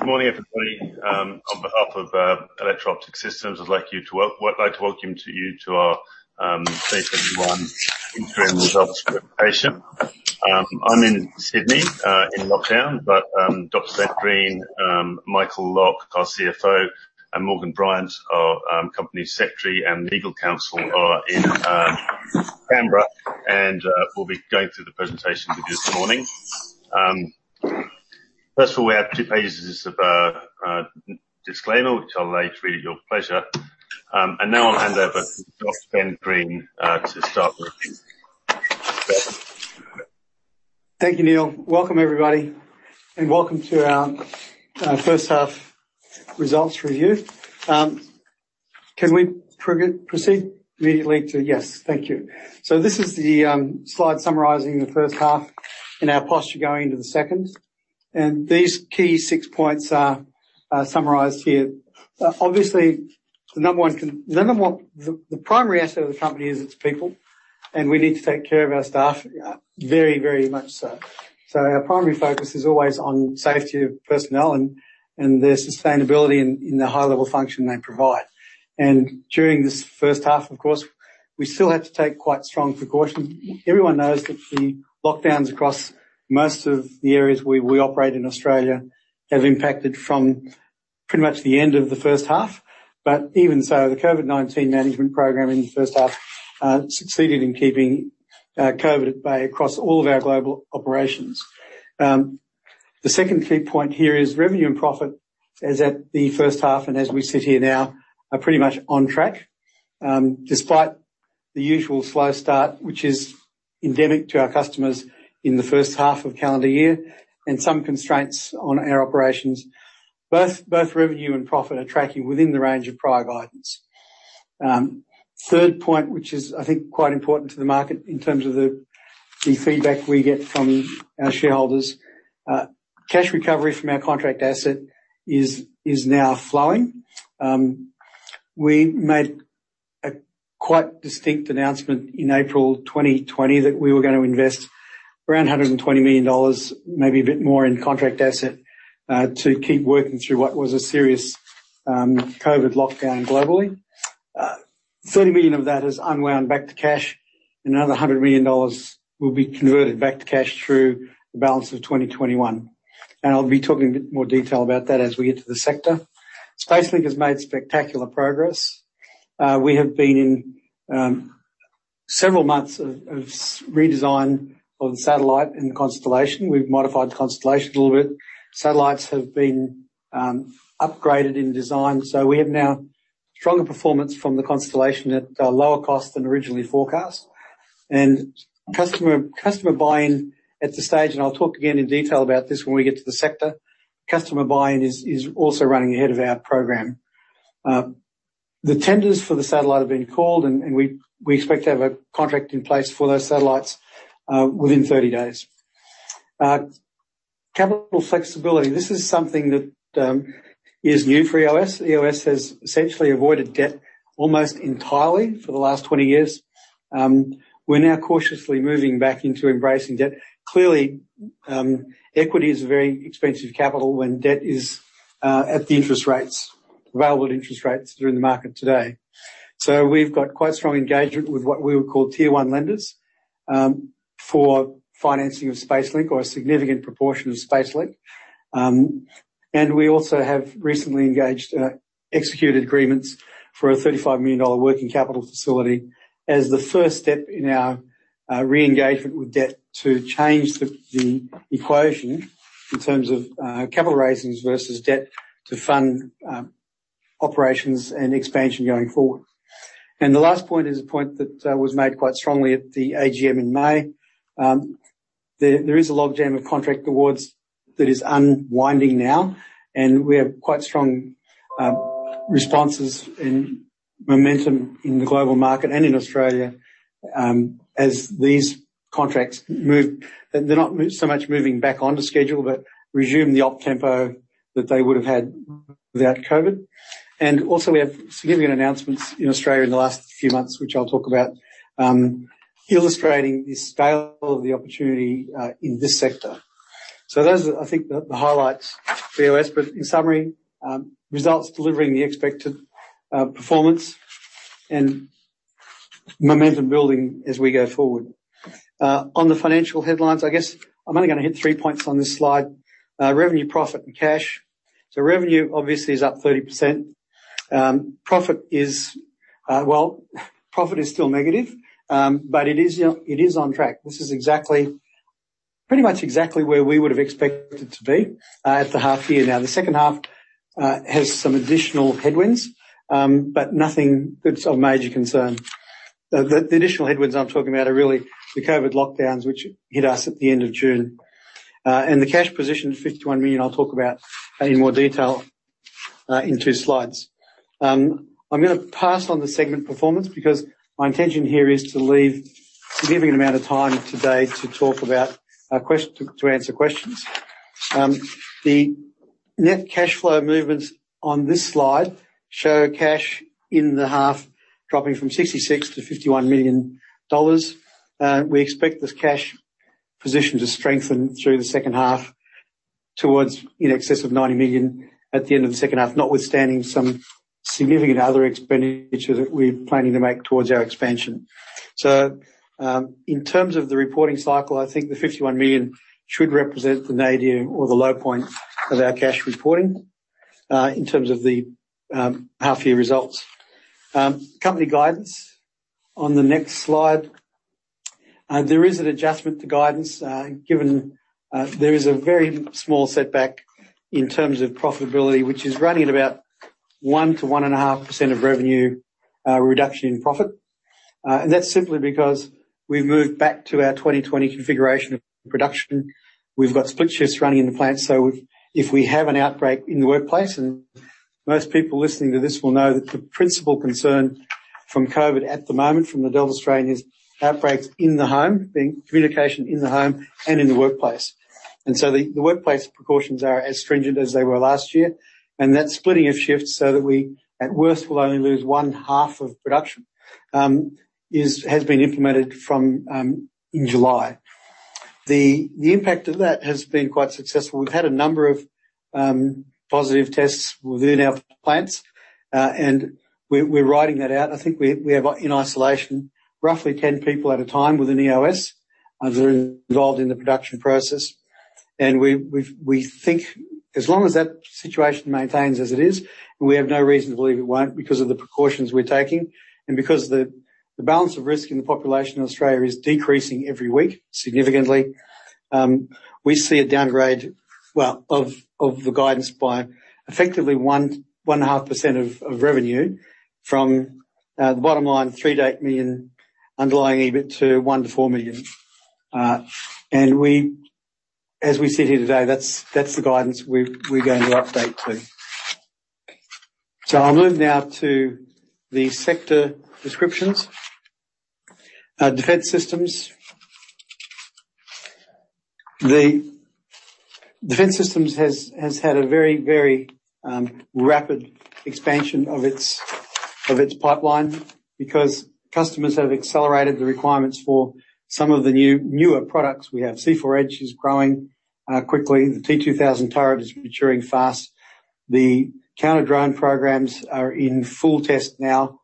Good morning, everybody. On behalf of Electro Optic Systems, I'd like to welcome you to our 2021 interim results presentation. I'm in Sydney, in lockdown, but Dr. Ben Greene, Michael Lock, our CFO, and Morgan Bryant, our Company Secretary and Legal Counsel, are in Canberra, and will be going through the presentation with you this morning. First of all, we have two pages of disclaimer, which I'll leave to your pleasure. Now I'll hand over to Dr. Ben Greene to start with. Thank you, Neil. Welcome, everybody, welcome to our first half results review. Can we proceed immediately to? Yes. Thank you. This is the slide summarizing the first half and our posture going into the second. These key six points are summarized here. Obviously, the primary asset of the company is its people, and we need to take care of our staff very, very much so. Our primary focus is always on safety of personnel and their sustainability in the high-level function they provide. During this first half, of course, we still had to take quite strong precautions. Everyone knows that the lockdowns across most of the areas where we operate in Australia have impacted from pretty much the end of the first half. Even so, the COVID-19 management program in the first half succeeded in keeping COVID at bay across all of our global operations. The second key point here is revenue and profit, as at the first half and as we sit here now, are pretty much on track. Despite the usual slow start, which is endemic to our customers in the first half of calendar year, and some constraints on our operations, both revenue and profit are tracking within the range of prior guidance. Third point, which is, I think, quite important to the market in terms of the feedback we get from our shareholders, cash recovery from our contract asset is now flowing. We made a quite distinct announcement in April 2020 that we were going to invest around 120 million dollars, maybe a bit more, in contract asset to keep working through what was a serious COVID lockdown globally. 30 million of that has unwound back to cash, another 100 million dollars will be converted back to cash through the balance of 2021. I'll be talking in more detail about that as we get to the sector. SpaceLink has made spectacular progress. We have been in several months of redesign of the satellite and the constellation. We've modified the constellation a little bit. Satellites have been upgraded in design, so we have now stronger performance from the constellation at a lower cost than originally forecast. Customer buy-in at this stage, and I'll talk again in detail about this when we get to the sector, customer buy-in is also running ahead of our program. The tenders for the satellite have been called and we expect to have a contract in place for those satellites within 30 days. Capital flexibility. This is something that is new for EOS. EOS has essentially avoided debt almost entirely for the last 20 years. We're now cautiously moving back into embracing debt. Clearly, equity is a very expensive capital when debt is at the interest rates, available interest rates that are in the market today. We've got quite strong engagement with what we would call Tier 1 lenders for financing of SpaceLink or a significant proportion of SpaceLink. We also have recently engaged executed agreements for a 35 million dollar working capital facility as the first step in our re-engagement with debt to change the equation in terms of capital raisings versus debt to fund operations and expansion going forward. The last point is a point that was made quite strongly at the AGM in May. There is a logjam of contract awards that is unwinding now, and we have quite strong responses and momentum in the global market and in Australia as these contracts move. They're not so much moving back onto schedule, but resume the op tempo that they would have had without COVID-19. Also, we have significant announcements in Australia in the last few months, which I'll talk about, illustrating the scale of the opportunity in this sector. Those are, I think, the highlights for EOS. In summary, results delivering the expected performance and momentum building as we go forward. On the financial headlines, I guess I'm only going to hit three points on this slide. Revenue, profit, and cash. Revenue, obviously, is up 30%. Profit is still negative, but it is on track. This is pretty much exactly where we would have expected to be at the half-year. The second half has some additional headwinds, but nothing that's of major concern. The additional headwinds I'm talking about are really the COVID-19 lockdowns, which hit us at the end of June. The cash position of 51 million, I'll talk about in more detail in two slides. I'm going to pass on the segment performance because my intention here is to leave a significant amount of time today to answer questions. The net cash flow movements on this slide show cash in the half dropping from 66 million to 51 million dollars. We expect this cash position to strengthen through the second half towards in excess of 90 million at the end of the second half, notwithstanding some significant other expenditure that we're planning to make towards our expansion. In terms of the reporting cycle, I think the 51 million should represent the nadir or the low point of our cash reporting, in terms of the half year results. Company guidance on the next slide. There is an adjustment to guidance, given there is a very small setback in terms of profitability, which is running at about 1%-1.5% of revenue reduction in profit. That's simply because we've moved back to our 2020 configuration of production. We've got split shifts running in the plant. If we have an outbreak in the workplace, and most people listening to this will know that the principal concern from COVID at the moment from the Delta strain is outbreaks in the home, being community transmission in the home and in the workplace. The workplace precautions are as stringent as they were last year, and that splitting of shifts so that we, at worst, will only lose one half of production, has been implemented from in July. The impact of that has been quite successful. We've had a number of positive tests within our plants, and we're riding that out. I think we have, in isolation, roughly 10 people at a time within EOS that are involved in the production process. We think as long as that situation maintains as it is, we have no reason to believe it won't because of the precautions we're taking. Because the balance of risk in the population in Australia is decreasing every week significantly, we see a downgrade, well, of the guidance by effectively 1.5% of revenue from the bottom line, 3.8 million underlying EBIT to 1 million-4 million. As we sit here today, that's the guidance we're going to update to. I'll move now to the sector descriptions. Defense Systems. Defense Systems has had a very, very rapid expansion of its pipeline because customers have accelerated the requirements for some of the newer products we have. C4 EDGE is growing quickly. The T2000 turret is maturing fast. The counter-drone programs are in full test now.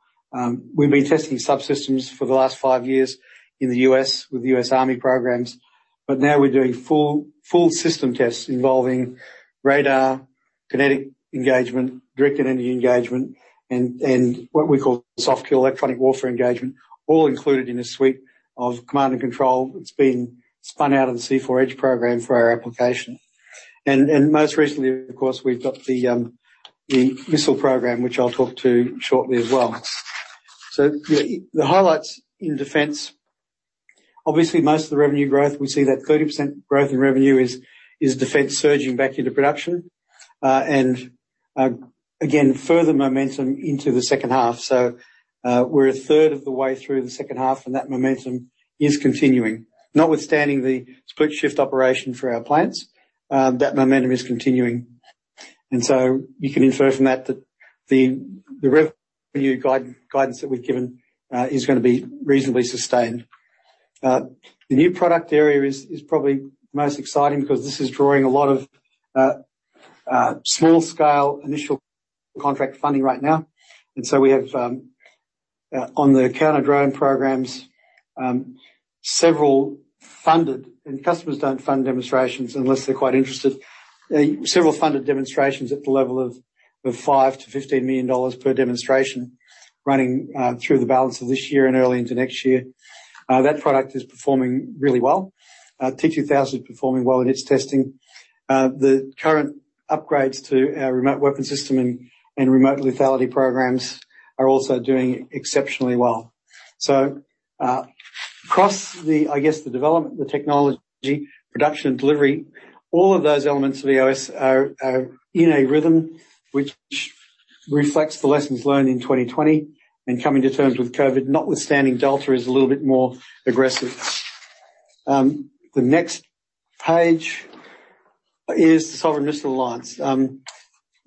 We've been testing subsystems for the last five years in the U.S. with the U.S. Army programs, but now we're doing full system tests involving radar, kinetic engagement, direct kinetic engagement, and what we call soft kill electronic warfare engagement, all included in a suite of command and control that's been spun out of the C4 EDGE program for our application. Most recently, of course, we've got the missile program, which I'll talk to shortly as well. The highlights in defense, obviously, most of the revenue growth, we see that 30% growth in revenue is defense surging back into production. Again, further momentum into the second half. We're a third of the way through the second half and that momentum is continuing. Notwithstanding the split shift operation for our plants, that momentum is continuing. You can infer from that that the revenue guidance that we've given is going to be reasonably sustained. The new product area is probably most exciting because this is drawing a lot of small scale initial contract funding right now. We have, on the counter-drone programs, several funded, and customers don't fund demonstrations unless they're quite interested, several funded demonstrations at the level of 5 million-15 million dollars per demonstration running through the balance of this year and early into next year. That product is performing really well. T2000 is performing well in its testing. The current upgrades to our remote weapon system and remote lethality programs are also doing exceptionally well. Across the, I guess, the development, the technology, production, and delivery, all of those elements of EOS are in a rhythm which reflects the lessons learned in 2020 and coming to terms with COVID, notwithstanding Delta is a little bit more aggressive. The next page is the Sovereign Missile Alliance.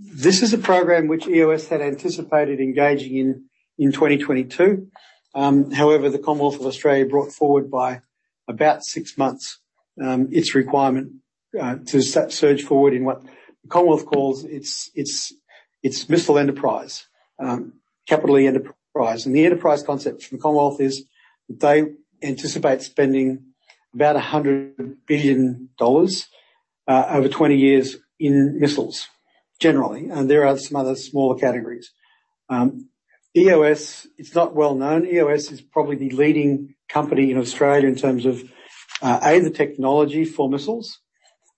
This is a program which EOS had anticipated engaging in in 2022. However, the Commonwealth of Australia brought forward by about six months its requirement to surge forward in what the Commonwealth calls its missile enterprise, capital E enterprise. The enterprise concept from Commonwealth is they anticipate spending about 100 billion dollars over 20 years in missiles, generally. There are some other smaller categories. It's not well known. EOS is probably the leading company in Australia in terms of, A, the technology for missiles,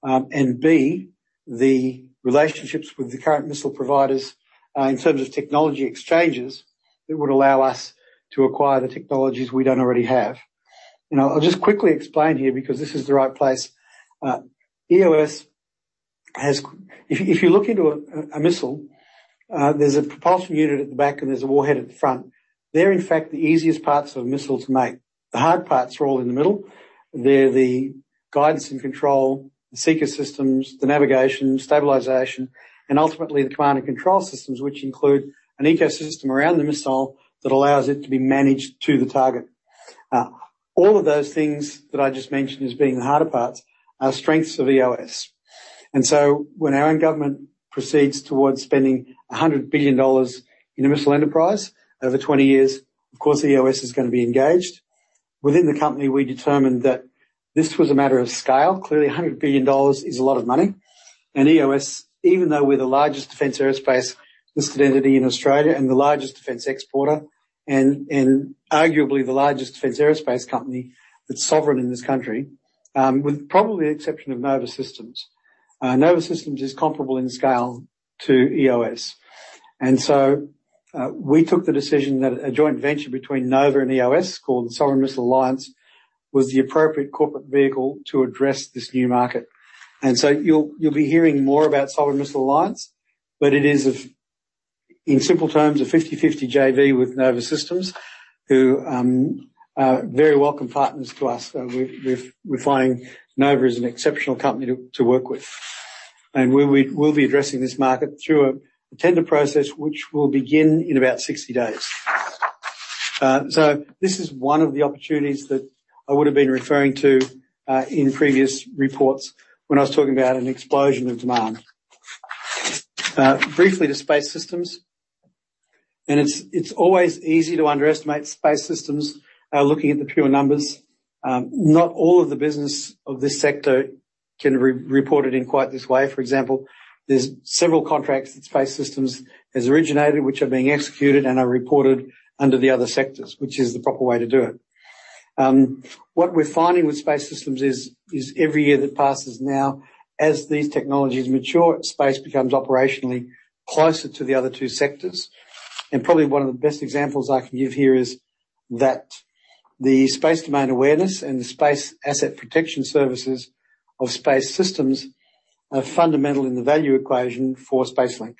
and B, the relationships with the current missile providers, in terms of technology exchanges that would allow us to acquire the technologies we don't already have. I'll just quickly explain here because this is the right place. If you look into a missile, there's a propulsion unit at the back and there's a warhead at the front. They're in fact the easiest parts of a missile to make. The hard parts are all in the middle. They're the guidance and control, the seeker systems, the navigation, stabilization, and ultimately the command and control systems, which include an ecosystem around the missile that allows it to be managed to the target. All of those things that I just mentioned as being the harder parts are strengths of EOS. When our own government proceeds towards spending 100 billion dollars in missile enterprise over 20 years, of course, EOS is going to be engaged. Within the company, we determined that this was a matter of scale. Clearly, 100 billion dollars is a lot of money, and EOS, even though we're the largest defense aerospace listed entity in Australia and the largest defense exporter and arguably the largest defense aerospace company that's sovereign in this country with probably the exception of Nova Systems. Nova Systems is comparable in scale to EOS. We took the decision that a joint venture between Nova and EOS, called the Sovereign Missile Alliance, was the appropriate corporate vehicle to address this new market. You'll be hearing more about Sovereign Missile Alliance, but it is, in simple terms, a 50/50 JV with Nova Systems, who are very welcome partners to us. We're finding Nova is an exceptional company to work with. We'll be addressing this market through a tender process which will begin in about 60 days. This is one of the opportunities that I would've been referring to in previous reports when I was talking about an explosion of demand. Briefly to Space Systems. It's always easy to underestimate Space Systems looking at the pure numbers. Not all of the business of this sector can be reported in quite this way. For example, there's several contracts that Space Systems has originated, which are being executed and are reported under the other sectors, which is the proper way to do it. What we're finding with Space Systems is, every year that passes now, as these technologies mature, space becomes operationally closer to the other two sectors. Probably one of the best examples I can give here is that the space domain awareness and the space asset protection services of Space Systems are fundamental in the value equation for SpaceLink.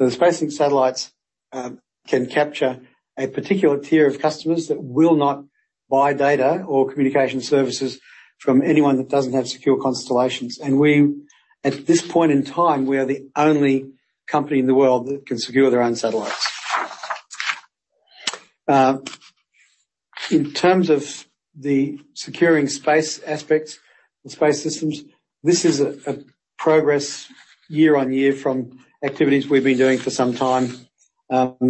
The SpaceLink satellites can capture a particular tier of customers that will not buy data or communication services from anyone that doesn't have secure constellations. At this point in time, we are the only company in the world that can secure their own satellites. In terms of the securing space aspects of Space Systems, this is a progress year-on-year from activities we've been doing for some time. Not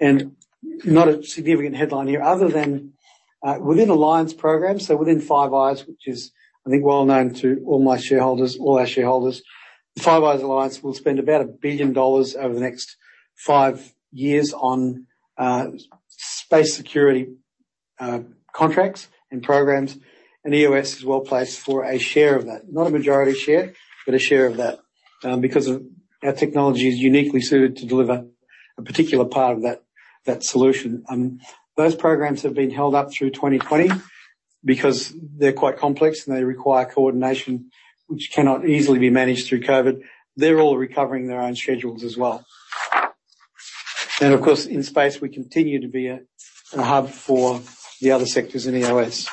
a significant headline here other than within alliance programs, within Five Eyes, which is, I think, well-known to all our shareholders. The Five Eyes alliance will spend about 1 billion dollars over the next five years on space security contracts and programs. EOS is well-placed for a share of that. Not a majority share, but a share of that, because our technology is uniquely suited to deliver a particular part of that solution. Those programs have been held up through 2020 because they're quite complex, and they require coordination, which cannot easily be managed through COVID-19. They're all recovering their own schedules as well. Of course, in space, we continue to be a hub for the other sectors in EOS.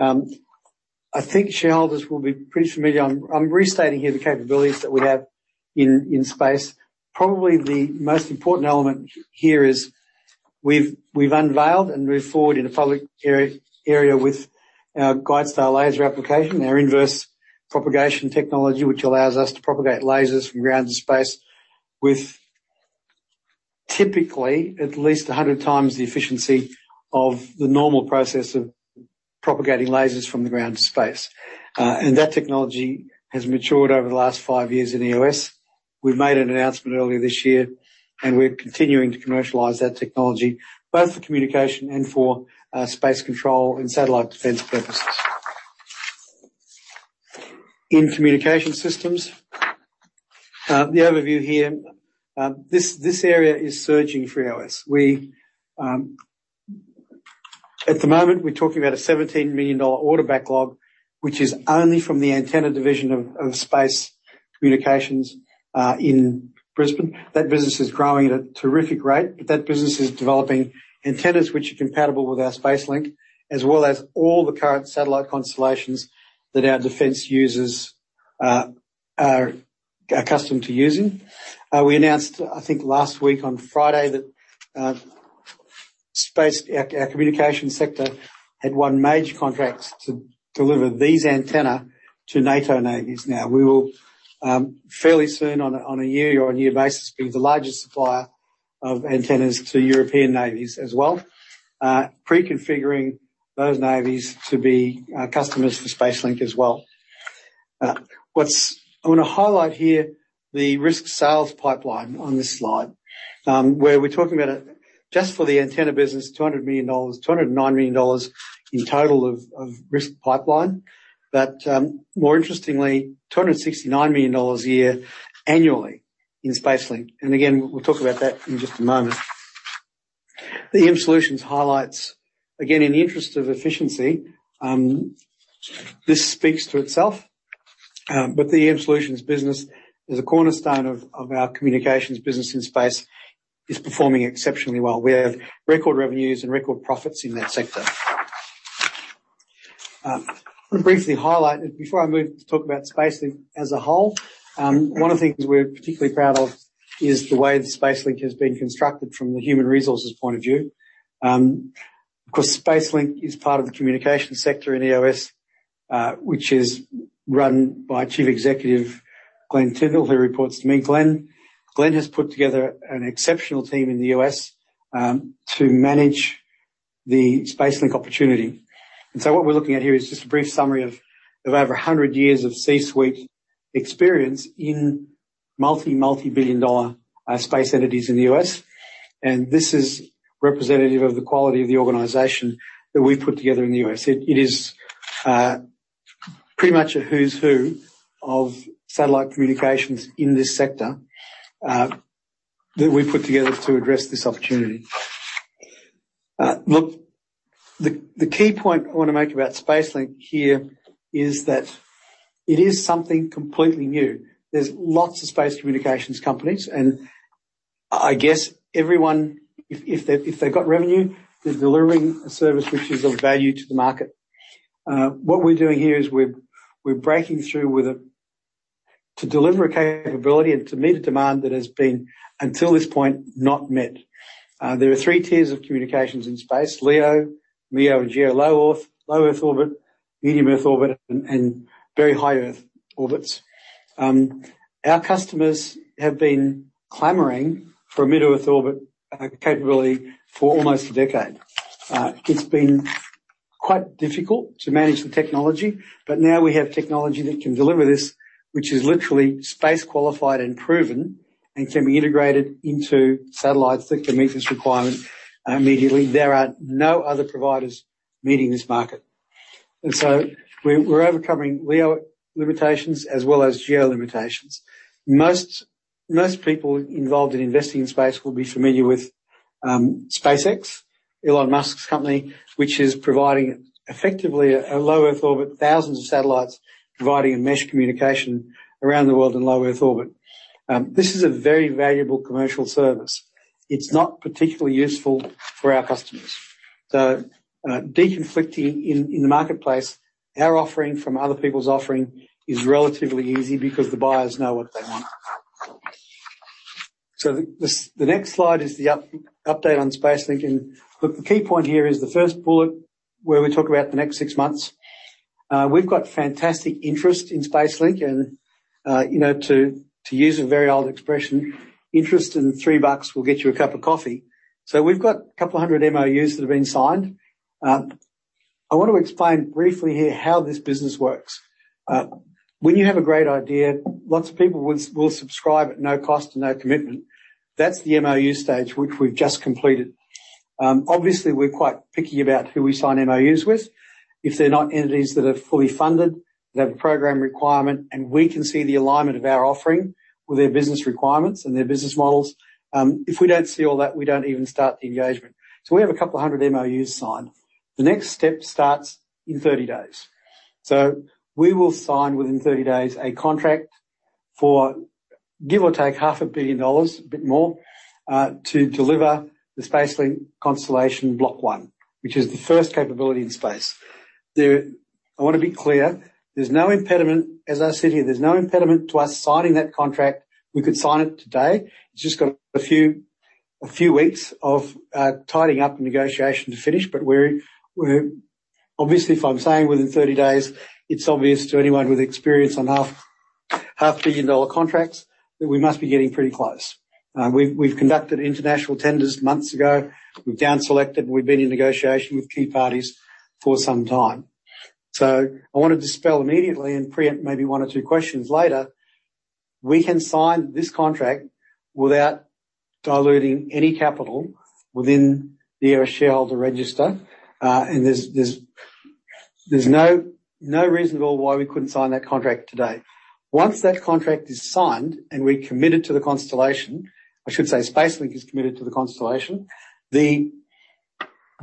I think shareholders will be pretty familiar. I'm restating here the capabilities that we have in space. Probably the most important element here is we've unveiled and moved forward in a public area with our guide star laser application, our inverse propagation technology, which allows us to propagate lasers from ground to space with typically at least 100 times the efficiency of the normal process of propagating lasers from the ground to space. That technology has matured over the last five years in EOS. We've made an announcement earlier this year, and we're continuing to commercialize that technology, both for communication and for space control and satellite defense purposes. In communication systems, the overview here. This area is surging for EOS. At the moment, we're talking about an 17 million dollar order backlog, which is only from the antenna division of space communications in Brisbane. That business is growing at a terrific rate. That business is developing antennas which are compatible with our SpaceLink, as well as all the current satellite constellations that our defense users are accustomed to using. We announced, I think, last week on Friday that our communication sector had won major contracts to deliver these antenna to NATO navies. We will, fairly soon, on a year-on-year basis, be the largest supplier of antennas to European navies as well, pre-configuring those navies to be customers for SpaceLink as well. I want to highlight here the risk sales pipeline on this slide, where we're talking about just for the antenna business, 209 million dollars in total of risk pipeline. More interestingly, 269 million dollars a year annually in SpaceLink. Again, we'll talk about that in just a moment. The EM Solutions highlights, again, in the interest of efficiency. This speaks to itself. The EM Solutions business is a cornerstone of our communications business in space, is performing exceptionally well. We have record revenues and record profits in that sector. I want to briefly highlight, before I move to talk about SpaceLink as a whole, one of the things we're particularly proud of is the way that SpaceLink has been constructed from the human resources point of view. Of course, SpaceLink is part of the communication sector in EOS, which is run by Chief Executive Glen Tindall, who reports to me. Glen has put together an exceptional team in the U.S., to manage the SpaceLink opportunity. What we're looking at here is just a brief summary of over 100 years of C-suite experience in multi-billion dollar space entities in the U.S. This is representative of the quality of the organization that we've put together in the U.S. It is pretty much a who's who of satellite communications in this sector, that we've put together to address this opportunity. Look, the key point I want to make about SpaceLink here is that it is something completely new. I guess everyone, if they've got revenue, they're delivering a service which is of value to the market. What we're doing here is we're breaking through to deliver a capability and to meet a demand that has been, until this point, not met. There are three tiers of communications in space: LEO, MEO, and GEO. Low earth orbit, medium earth orbit, and very high earth orbits. Our customers have been clamoring for a medium earth orbit capability for almost a decade. It's been quite difficult to manage the technology, but now we have technology that can deliver this, which is literally space-qualified and proven, and can be integrated into satellites that can meet this requirement immediately. There are no other providers meeting this market. We're overcoming LEO limitations as well as GEO limitations. Most people involved in investing in space will be familiar with SpaceX, Elon Musk's company, which is providing effectively a low earth orbit, thousands of satellites, providing a mesh communication around the world in low earth orbit. This is a very valuable commercial service. It's not particularly useful for our customers. De-conflicting in the marketplace, our offering from other people's offering is relatively easy because the buyers know what they want. The next slide is the update on SpaceLink, and look, the key point here is the first bullet where we talk about the next six months. We've got fantastic interest in SpaceLink, and to use a very old expression, interest and 3 bucks will get you a cup of coffee. We've got a couple of 100 MOUs that have been signed. I want to explain briefly here how this business works. When you have a great idea, lots of people will subscribe at no cost and no commitment. That's the MOU stage, which we've just completed. Obviously, we're quite picky about who we sign MOUs with. If they're not entities that are fully funded, that have a program requirement, and we can see the alignment of our offering with their business requirements and their business models. If we don't see all that, we don't even start the engagement. We have 200 MOUs signed. The next step starts in 30 days. We will sign within 30 days a contract for give or take half a billion AUD, a bit more, to deliver the SpaceLink constellation block 1, which is the first capability in space. I want to be clear, as I said here, there's no impediment to us signing that contract. We could sign it today. It's just got a few weeks of tidying up the negotiation to finish, obviously, if I'm saying within 30 days, it's obvious to anyone with experience on half billion dollar contracts that we must be getting pretty close. We've conducted international tenders months ago. We've down selected, we've been in negotiation with key parties for some time. I want to dispel immediately and preempt maybe one or two questions later, we can sign this contract without diluting any capital within the EOS shareholder register. There's no reason at all why we couldn't sign that contract today. Once that contract is signed and we're committed to the constellation, I should say SpaceLink is committed to the constellation,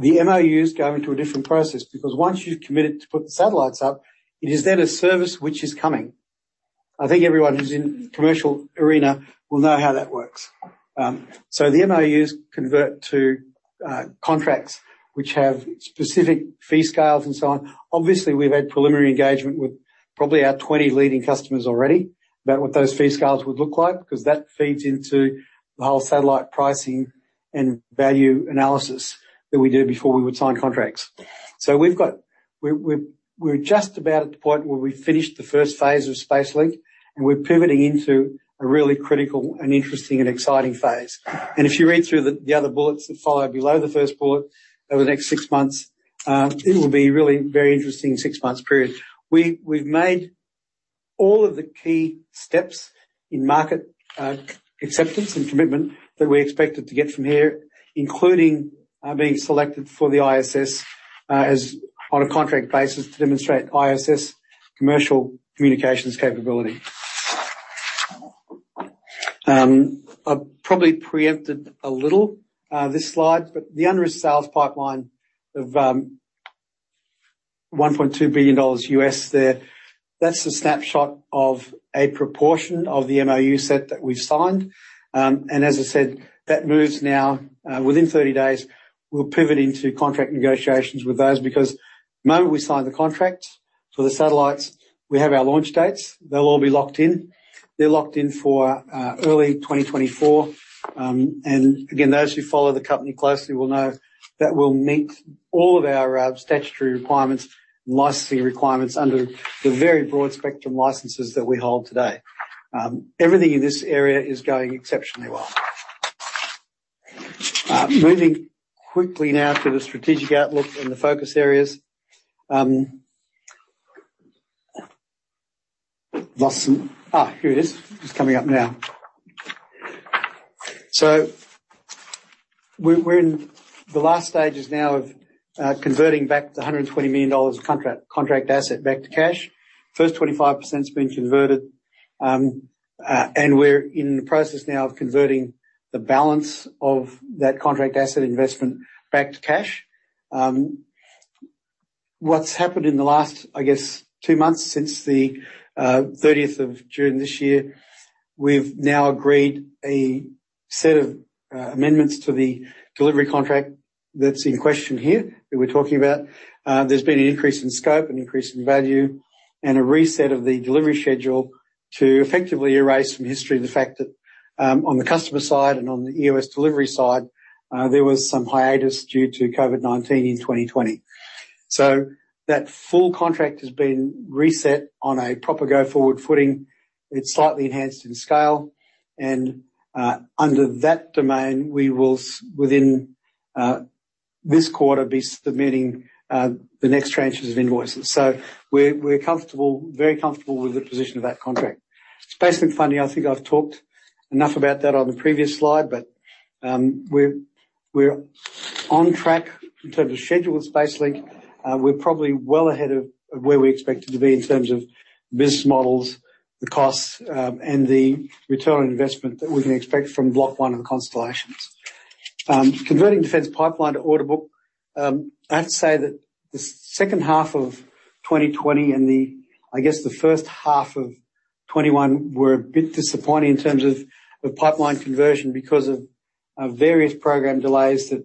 the MOUs go into a different process because once you've committed to put the satellites up, it is then a service which is coming. I think everyone who's in commercial arena will know how that works. The MOUs convert to contracts which have specific fee scales and so on. Obviously, we've had preliminary engagement with probably our 20 leading customers already about what those fee scales would look like, because that feeds into the whole satellite pricing and value analysis that we do before we would sign contracts. We're just about at the point where we've finished the first phase of SpaceLink, and we're pivoting into a really critical and interesting, and exciting phase. If you read through the other bullets that follow below the first bullet, over the next six months, it will be really a very interesting six months period. We've made all of the key steps in market acceptance and commitment that we expected to get from here, including being selected for the ISS on a contract basis to demonstrate ISS commercial communications capability. I've probably preempted a little this slide. The under-risk sales pipeline of $1.2 billion. That's the snapshot of a proportion of the MOU set that we've signed. As I said, that moves now. Within 30 days, we'll pivot into contract negotiations with those, because the moment we sign the contract for the satellites, we have our launch dates. They'll all be locked in. They're locked in for early 2024. Again, those who follow the company closely will know that we'll meet all of our statutory requirements and licensing requirements under the very broad spectrum licenses that we hold today. Everything in this area is going exceptionally well. Moving quickly now to the strategic outlook and the focus areas. Lost some, here it is. It's coming up now. We're in the last stages now of converting back the 120 million dollars contract asset back to cash. First 25%'s been converted, and we're in the process now of converting the balance of that contract asset investment back to cash. What's happened in the last, I guess two months since the 30th of June this year, we've now agreed a set of amendments to the delivery contract that's in question here that we're talking about. There's been an increase in scope, an increase in value, and a reset of the delivery schedule to effectively erase from history the fact that, on the customer side and on the EOS delivery side, there was some hiatus due to COVID-19 in 2020. That full contract has been reset on a proper go-forward footing. It's slightly enhanced in scale and, under that domain, we will, within this quarter, be submitting the next tranches of invoices. We're very comfortable with the position of that contract. SpaceLink funding, I think I've talked enough about that on the previous slide, we're on track in terms of scheduled SpaceLink. We're probably well ahead of where we expected to be in terms of business models, the costs, and the return on investment that we can expect from block 1 of the constellations. Converting defense pipeline to order book. I have to say that the second half of 2020 and the, I guess, the first half of 2021 were a bit disappointing in terms of pipeline conversion because of various program delays that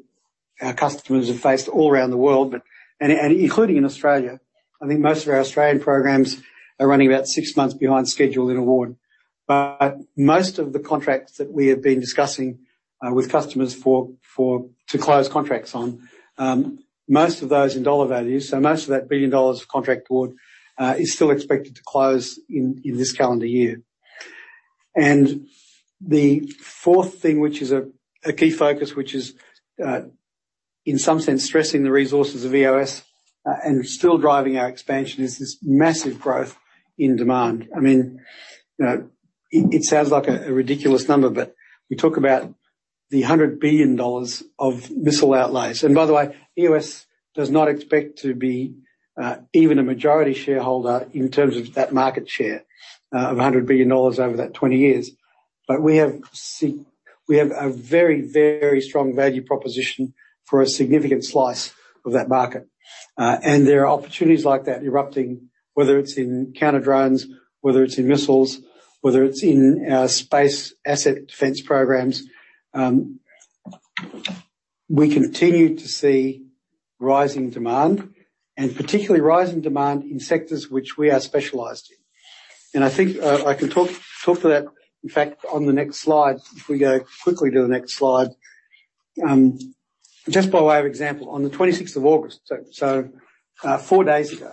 our customers have faced all around the world, and including in Australia. I think most of our Australian programs are running about six months behind schedule in award. Most of the contracts that we have been discussing with customers to close contracts on, most of those in dollar values, so most of that 1 billion dollars of contract award, is still expected to close in this calendar year. The fourth thing, which is a key focus, which is, in some sense, stressing the resources of EOS, and still driving our expansion is this massive growth in demand. It sounds like a ridiculous number, but we talk about the 100 billion dollars of missile outlays. By the way, EOS does not expect to be even a majority shareholder in terms of that market share of 100 billion dollars over that 20 years. We have a very strong value proposition for a significant slice of that market. There are opportunities like that erupting, whether it's in counter drones, whether it's in missiles, whether it's in our space asset defense programs. We continue to see rising demand and particularly rising demand in sectors which we are specialized in. I think I can talk to that, in fact, on the next slide. If we go quickly to the next slide. Just by way of example, on the 26th of August, so four days ago,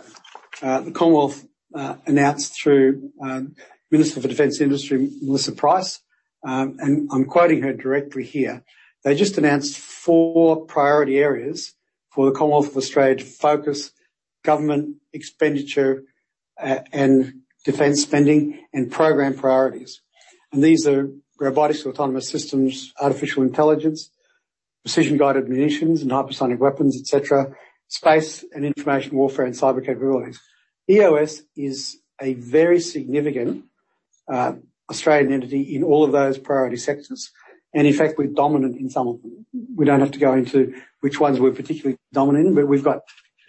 the Commonwealth announced through Minister for Defence Industry, Melissa Price, and I'm quoting her directly here. They just announced four priority areas for the Commonwealth of Australia to focus government expenditure and defence spending and program priorities. These are robotics, autonomous systems, artificial intelligence, precision-guided munitions and hypersonic weapons, et cetera, space and information warfare and cyber capabilities. EOS is a very significant Australian entity in all of those priority sectors, and in fact, we're dominant in some of them. We don't have to go into which ones we're particularly dominant in, but we've got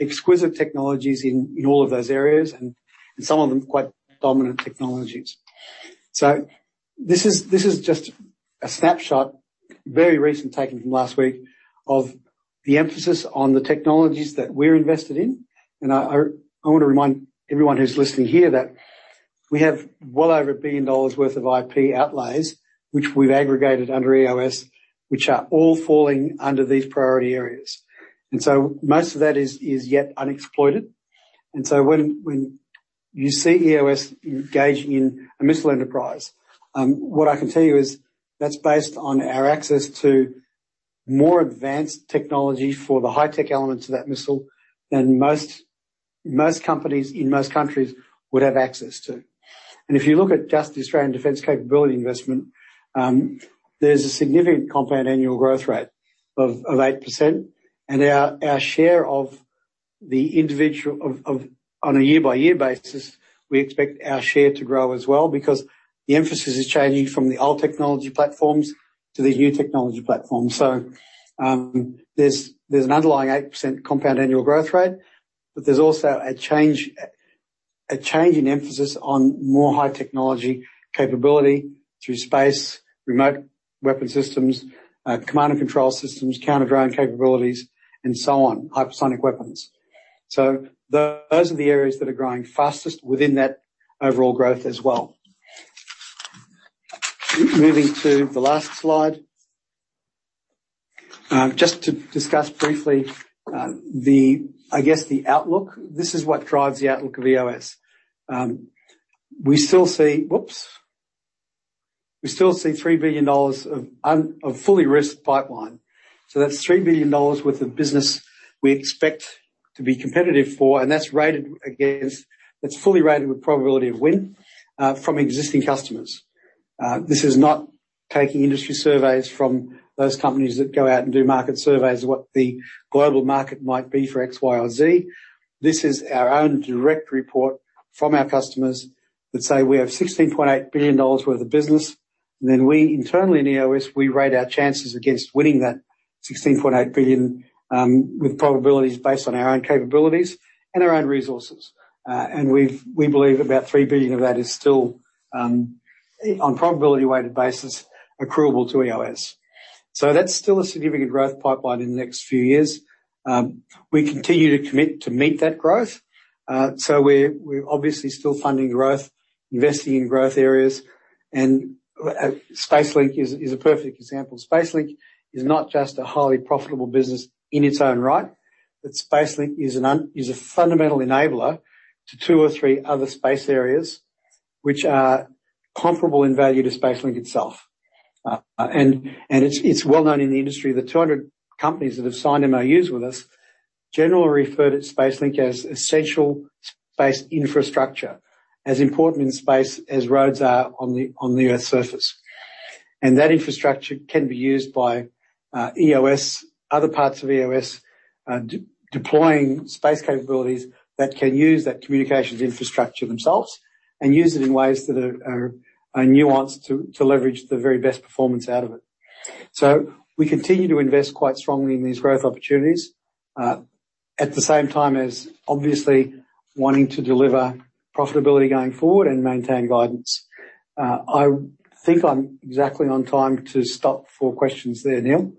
exquisite technologies in all of those areas and some of them quite dominant technologies. This is just a snapshot, very recent, taken from last week, of the emphasis on the technologies that we're invested in. I want to remind everyone who's listening here that we have well over 1 billion dollars worth of IP outlays, which we've aggregated under EOS, which are all falling under these priority areas. Most of that is yet unexploited. When you see EOS engage in a missile enterprise, what I can tell you is that's based on our access to more advanced technology for the high-tech elements of that missile than most companies in most countries would have access to. If you look at just the Australian defense capability investment, there's a significant compound annual growth rate of 8%. Our share, on a year-by-year basis, we expect our share to grow as well because the emphasis is changing from the old technology platforms to the new technology platform. There's an underlying 8% compound annual growth rate, but there's also a change in emphasis on more high technology capability through space, remote weapon systems, command and control systems, counter-drone capabilities, and so on, hypersonic weapons. Those are the areas that are growing fastest within that overall growth as well. Moving to the last slide. Just to discuss briefly the outlook. This is what drives the outlook of EOS. We still see 3 billion dollars of fully risked pipeline. That's 3 billion dollars worth of business we expect to be competitive for, and that's fully rated with probability of win from existing customers. This is not taking industry surveys from those companies that go out and do market surveys, what the global market might be for X, Y, or Z. This is our own direct report from our customers that say we have 16.8 billion dollars worth of business. We internally in EOS, we rate our chances against winning that 16.8 billion, with probabilities based on our own capabilities and our own resources. We believe about 3 billion of that is still, on probability-weighted basis, accruable to EOS. That's still a significant growth pipeline in the next few years. We continue to commit to meet that growth. We're obviously still funding growth, investing in growth areas, and SpaceLink is a perfect example. SpaceLink is not just a highly profitable business in its own right, but SpaceLink is a fundamental enabler to two or three other space areas which are comparable in value to SpaceLink itself. It is well-known in the industry. The 200 companies that have signed MOUs with us generally refer to SpaceLink as essential space infrastructure, as important in space as roads are on the Earth's surface. That infrastructure can be used by EOS, other parts of EOS, deploying space capabilities that can use that communications infrastructure themselves and use it in ways that are nuanced to leverage the very best performance out of it. We continue to invest quite strongly in these growth opportunities. At the same time as obviously wanting to deliver profitability going forward and maintain guidance. I think I am exactly on time to stop for questions there, Neil.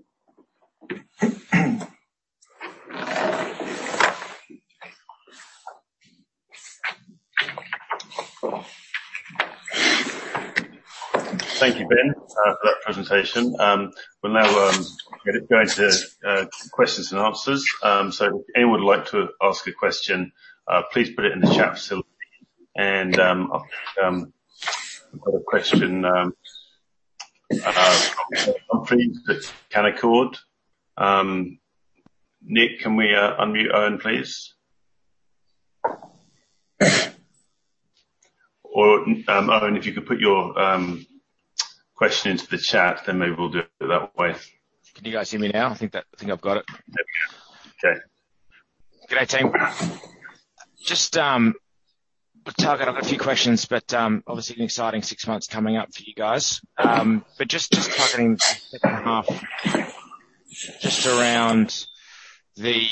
Thank you, Ben, for that presentation. We'll now go into questions and answers. If anyone would like to ask a question, please put it in the chat facility. I've got a question from Owen Humphries at Canaccord. Nick, can we unmute Owen, please? Owen, if you could put your question into the chat, maybe we'll do it that way. Can you guys hear me now? I think I've got it. There we go. Okay. Good day, team. Just targeting on a few questions, but obviously an exciting six months coming up for you guys. Just targeting the second half just around the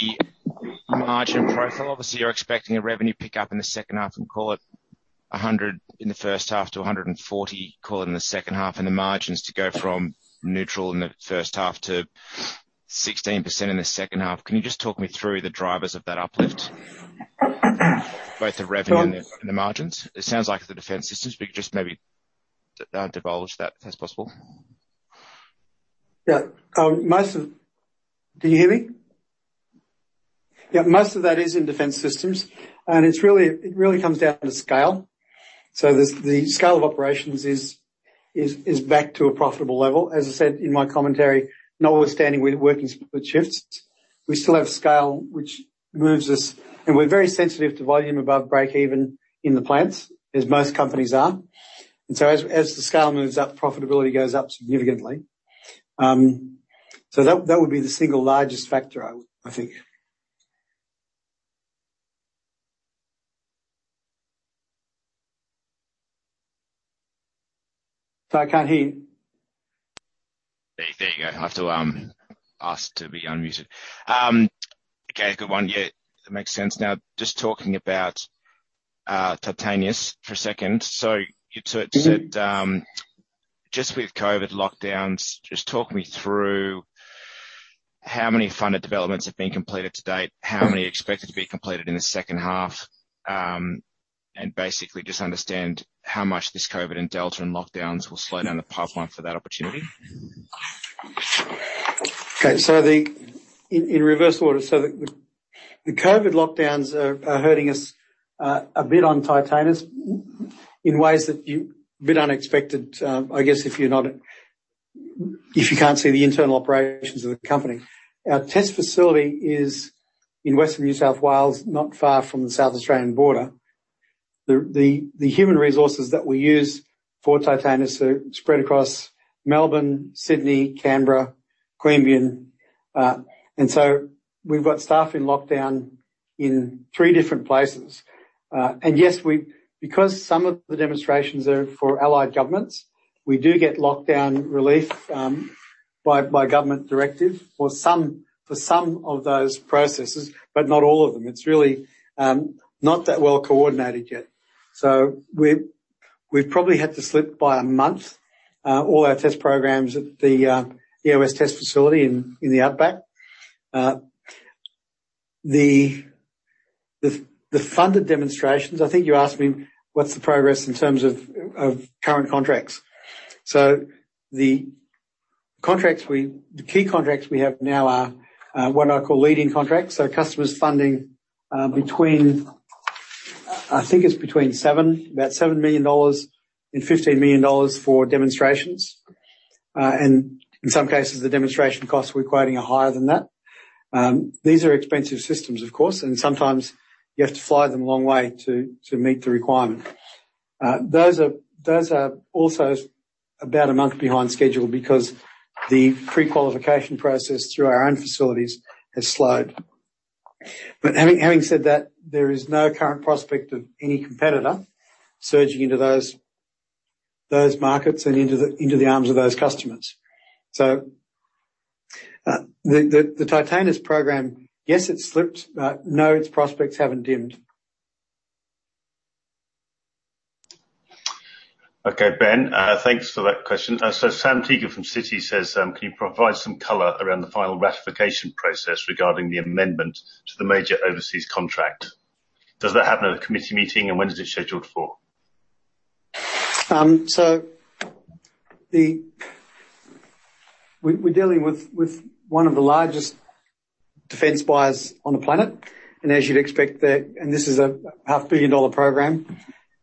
margin profile. Obviously, you're expecting a revenue pickup in the second half and call it 100 in the first half to 140 call it in the second half. The margins to go from neutral in the first half to 16% in the second half. Can you just talk me through the drivers of that uplift? Both the revenue and the margins. It sounds like the defense systems, but just maybe divulge that if that's possible. Yeah. Can you hear me? Most of that is in defense systems, it really comes down to scale. The scale of operations is back to a profitable level. As I said in my commentary, notwithstanding we're working split shifts, we still have scale, and we're very sensitive to volume above breakeven in the plants, as most companies are. As the scale moves up, profitability goes up significantly. That would be the single largest factor, I think. Sorry, I can't hear you. There you go. I have to ask to be unmuted. Okay, good one. Yeah, that makes sense. Just talking about Titanis for a second. You said just with COVID lockdowns, just talk me through how many funded developments have been completed to date, how many are expected to be completed in the second half, and basically just understand how much this COVID and Delta and lockdowns will slow down the pipeline for that opportunity. Okay. In reverse order, the COVID lockdowns are hurting us a bit on Titanis in ways that a bit unexpected, I guess if you can't see the internal operations of the company. Our test facility is in Western New South Wales, not far from the South Australian border. The human resources that we use for Titanis are spread across Melbourne, Sydney, Canberra, Queanbeyan. We've got staff in lockdown in three different places. Yes, because some of the demonstrations are for allied governments, we do get lockdown relief by government directive for some of those processes, but not all of them. It's really not that well coordinated yet. We've probably had to slip by a month, all our test programs at the EOS test facility in the outback. The funded demonstrations, I think you asked me what's the progress in terms of current contracts. The key contracts we have now are what I call leading contracts. Customers funding between, I think it's between about 7 million dollars and 15 million dollars for demonstrations. In some cases, the demonstration costs we're quoting are higher than that. These are expensive systems, of course, and sometimes you have to fly them a long way to meet the requirement. Those are also about one month behind schedule because the pre-qualification process through our own facilities has slowed. Having said that, there is no current prospect of any competitor surging into those markets and into the arms of those customers. The TITANUS program, yes, it's slipped, but no, its prospects haven't dimmed. Ben, thanks for that question. Sam Teeger from Citi says, "Can you provide some color around the final ratification process regarding the amendment to the major overseas contract? Does that happen at a committee meeting, and when is it scheduled for? We're dealing with one of the largest defense buyers on the planet, and as you'd expect, and this is a half billion dollar program,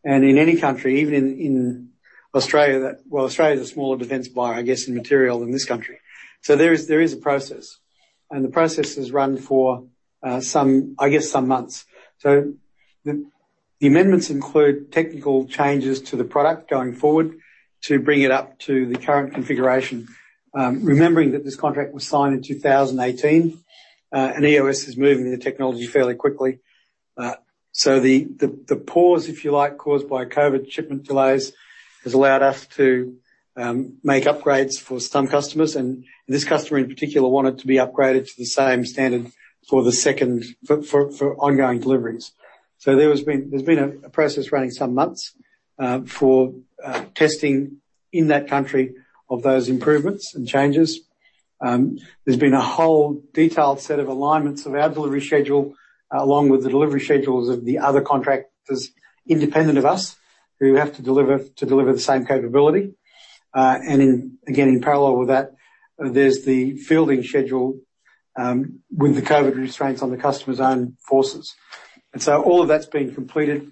and in any country, even in Australia, well, Australia's a smaller defense buyer, I guess, in material than this country. There is a process, and the process has run for, I guess, some months. The amendments include technical changes to the product going forward to bring it up to the current configuration. Remembering that this contract was signed in 2018, and EOS is moving the technology fairly quickly. The pause, if you like, caused by COVID shipment delays, has allowed us to make upgrades for some customers, and this customer in particular wanted to be upgraded to the same standard for ongoing deliveries. There's been a process running some months for testing in that country of those improvements and changes. There's been a whole detailed set of alignments of our delivery schedule along with the delivery schedules of the other contractors independent of us who have to deliver the same capability. Again, in parallel with that, there's the fielding schedule with the COVID restraints on the customer's own forces. All of that's been completed.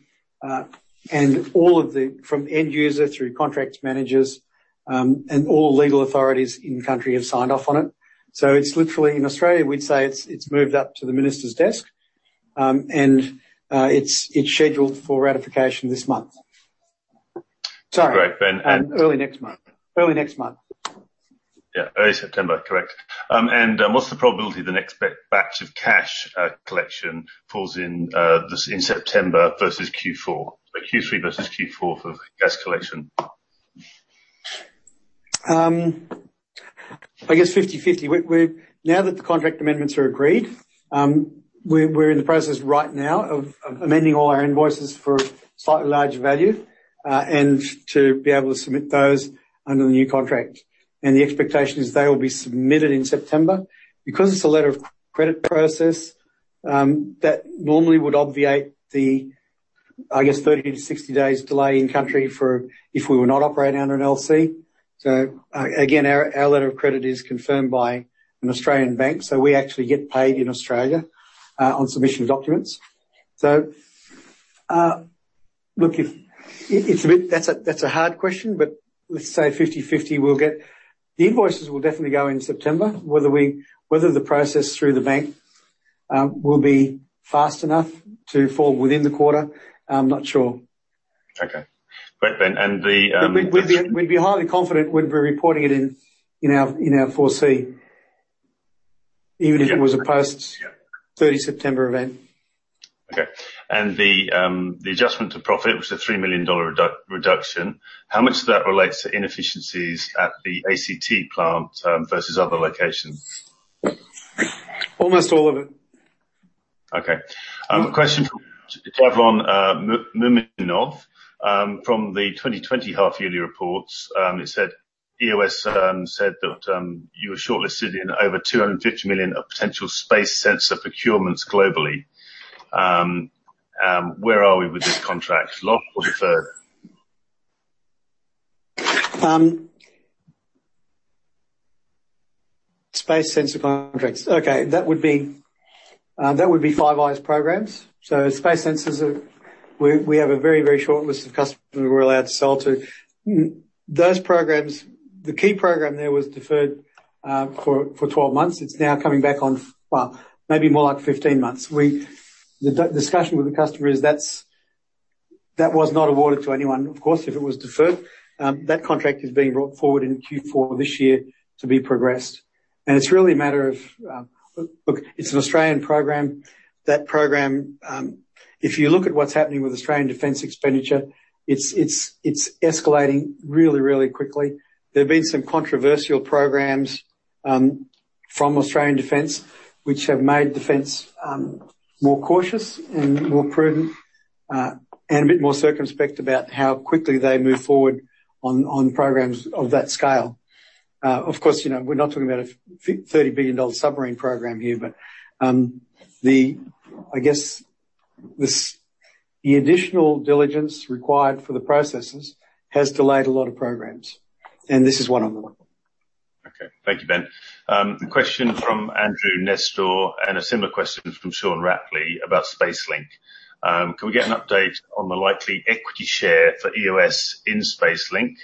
From end user through contracts managers, and all legal authorities in country have signed off on it. It's literally in Australia, we'd say it's moved up to the Minister's desk. It's scheduled for ratification this month. Sorry. Great, Ben. Early next month. Early September, correct. What's the probability the next batch of cash collection falls in September versus Q4? Q3 versus Q4 for cash collection. I guess 50/50. Now that the contract amendments are agreed, we're in the process right now of amending all our invoices for a slightly larger value to be able to submit those under the new contract. The expectation is they will be submitted in September. Because it's a letter of credit process, that normally would obviate the, I guess, 30-60 days delay in country if we were not operating under an LC. Again, our letter of credit is confirmed by an Australian bank, we actually get paid in Australia on submission of documents. Look, that's a hard question, but let's say 50/50. The invoices will definitely go in September. Whether the process through the bank will be fast enough to fall within the quarter, I'm not sure. Okay. Great, Ben. And the. We'd be highly confident we'd be reporting it in our 4C. Yeah. Even if it was a post-30 September event. Okay. The adjustment to profit was a 3 million dollar reduction. How much of that relates to inefficiencies at the ACT plant versus other locations? Almost all of it. Okay. A question from Javon Muminov. From the 2020 half yearly reports, EOS said that you were shortlisted in over 250 million of potential space sensor procurements globally. Where are we with this contract? Lost or deferred? Space sensor contracts. That would be Five Eyes programs. Space sensors, we have a very short list of customers we're allowed to sell to. Those programs, the key program there was deferred for 12 months. It's now coming back on, well, maybe more like 15 months. The discussion with the customer is That was not awarded to anyone. Of course, if it was deferred, that contract is being brought forward in Q4 this year to be progressed. It's really a matter of Look, it's an Australian program. That program, if you look at what's happening with Australian Defence expenditure, it's escalating really quickly. There've been some controversial programs from Australian Defence, which have made Defence more cautious and more prudent, and a bit more circumspect about how quickly they move forward on programs of that scale. We're not talking about an 30 billion dollar submarine program here, but I guess, the additional diligence required for the processes has delayed a lot of programs, and this is one of them. Okay. Thank you, Ben. A question from Andrew Nestor and a similar question from Sean Rapley about SpaceLink. Can we get an update on the likely equity share for EOS in SpaceLink?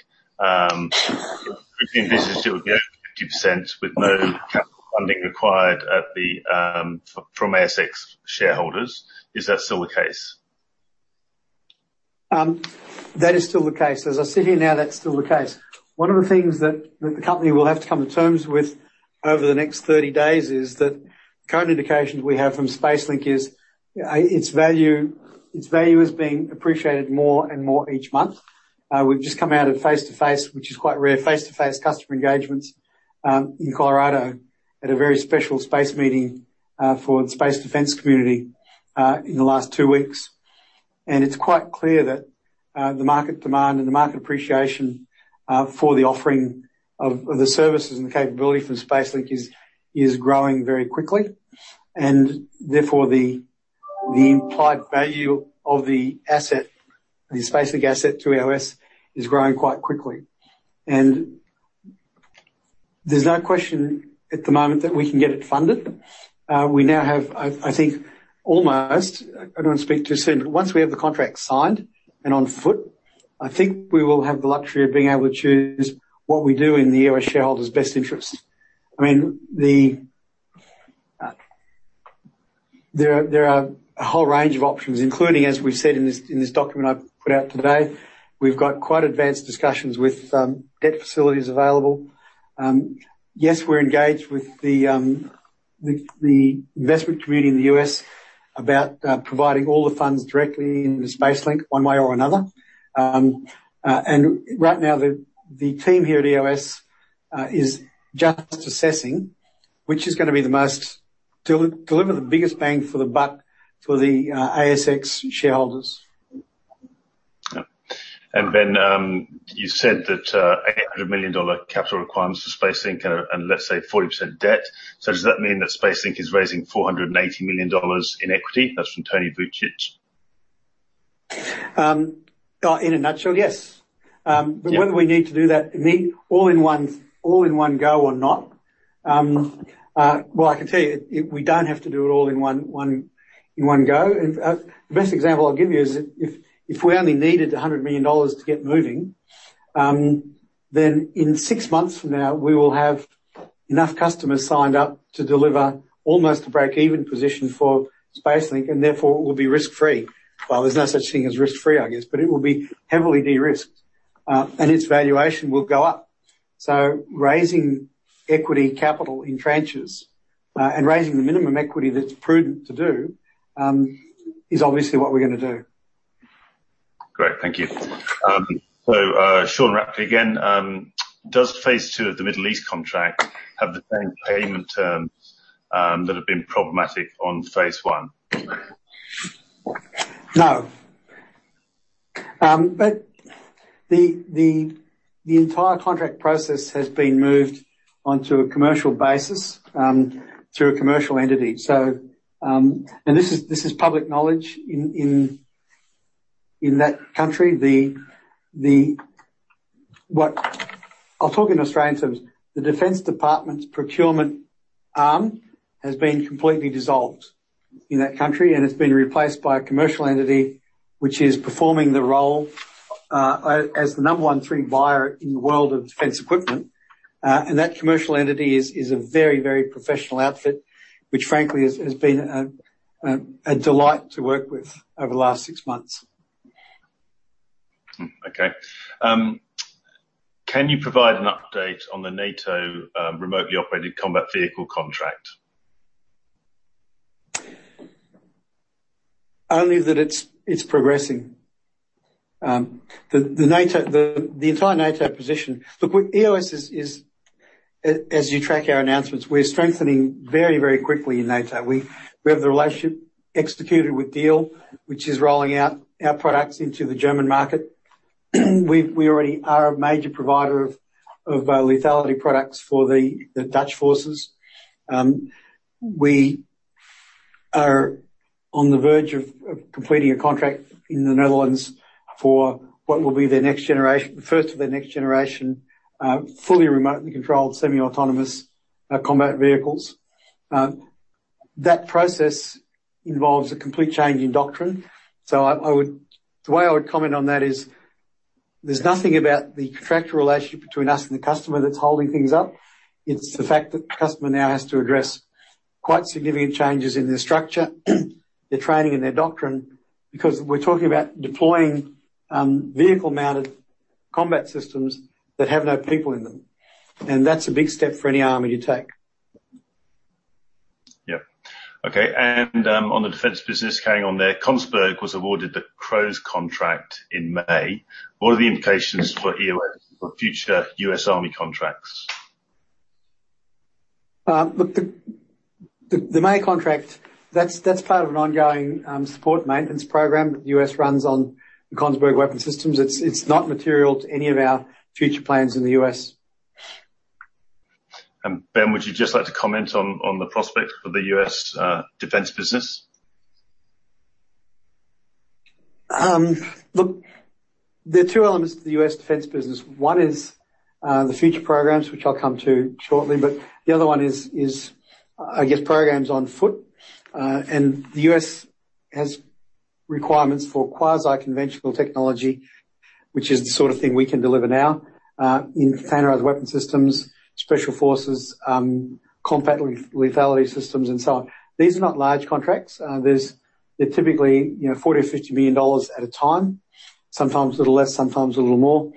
Previously, it was over 50% with no capital funding required from ASX shareholders. Is that still the case? That is still the case. As I sit here now, that's still the case. One of the things that the company will have to come to terms with over the next 30 days is that current indications we have from SpaceLink is its value is being appreciated more and more each month. We've just come out of face-to-face, which is quite rare, face-to-face customer engagements, in Colorado at a very special space meeting, for the space defense community, in the last two weeks. It's quite clear that the market demand and the market appreciation for the offering of the services and capability from SpaceLink is growing very quickly, and therefore the implied value of the asset, the SpaceLink asset to EOS is growing quite quickly. There's no question at the moment that we can get it funded. We now have, I think almost, I don't want to speak too soon, but once we have the contract signed and on foot, I think we will have the luxury of being able to choose what we do in the EOS shareholders' best interests. There are a whole range of options, including, as we've said in this document I've put out today, we've got quite advanced discussions with debt facilities available. Yes, we're engaged with the investment community in the U.S. about providing all the funds directly into SpaceLink one way or another. Right now, the team here at EOS is just assessing which is going to deliver the biggest bang for the buck for the ASX shareholders. Ben, you said that 800 million dollar capital requirements to SpaceLink and let's say 40% debt. Does that mean that SpaceLink is raising 480 million dollars in equity? That's from Tony Vucic. In a nutshell, yes. Yeah. Whether we need to do that all in one go or not. Well, I can tell you, we don't have to do it all in one go. The best example I'll give you is if we only needed 100 million dollars to get moving, then in six months from now, we will have enough customers signed up to deliver almost a break-even position for SpaceLink, and therefore it will be risk-free. Well, there's no such thing as risk-free, I guess, but it will be heavily de-risked, and its valuation will go up. Raising equity capital in tranches, and raising the minimum equity that's prudent to do, is obviously what we're gonna do. Great. Thank you. Sean Rapley again, does phase II of the Middle East contract have the same payment terms that have been problematic on phase I? No. The entire contract process has been moved onto a commercial basis, through a commercial entity. This is public knowledge in that country. I'll talk in Australian terms. The Defense Department's procurement arm has been completely dissolved in that country, and it's been replaced by a commercial entity, which is performing the role, as the number 13 buyer in the world of defense equipment. That commercial entity is a very professional outfit, which frankly has been a delight to work with over the last six months. Okay. Can you provide an update on the NATO Remotely Operated Combat Vehicle contract? Only that it's progressing. The entire NATO position with EOS, as you track our announcements, we're strengthening very quickly in NATO. We have the relationship executed with Diehl, which is rolling out our products into the German market. We already are a major provider of lethality products for the Dutch forces. We are on the verge of completing a contract in the Netherlands for what will be the first of their next generation, fully remotely controlled, semi-autonomous combat vehicles. That process involves a complete change in doctrine. The way I would comment on that is. There's nothing about the contractual relationship between us and the customer that's holding things up. It's the fact that the customer now has to address quite significant changes in their structure, their training, and their doctrine, because we're talking about deploying vehicle-mounted combat systems that have no people in them, and that's a big step for any army to take. Yep. Okay. On the defense business, carrying on there, Kongsberg was awarded the CROWS contract in May. What are the implications for EOS for future U.S. Army contracts? Look, the May contract, that's part of an ongoing support maintenance program that the U.S. runs on the Kongsberg weapon systems. It's not material to any of our future plans in the U.S. Ben Greene, would you just like to comment on the prospect for the U.S. defense business? Look, there are two elements to the U.S. defense business. One is the future programs, which I'll come to shortly, but the other one is, I guess, programs on foot. The U.S. has requirements for quasi-conventional technology, which is the sort of thing we can deliver now, in standard weapon systems, special forces, combat lethality systems and so on. These are not large contracts. They're typically 40 million or 50 million dollars at a time, sometimes a little less, sometimes a little more.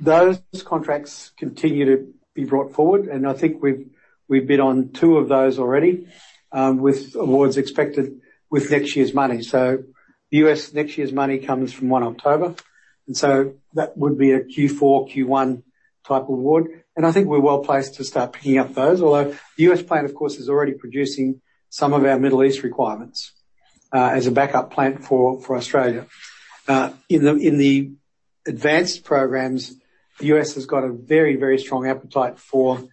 Those contracts continue to be brought forward, and I think we've bid on two of those already, with awards expected with next year's money. The U.S., next year's money comes from 1 October, that would be a Q4, Q1 type award, and I think we're well-placed to start picking up those. Although the U.S. plant, of course, is already producing some of our Middle East requirements, as a backup plant for Australia. In the advanced programs, the U.S. has got a very strong appetite for